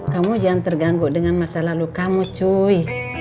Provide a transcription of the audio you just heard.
kamu jangan terganggu dengan masa lalu kamu cui